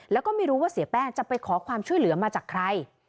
แล้วก็ไม่รู้ว่าเสียแป้งจะไปขอความช่วยเหลือมาจากใคร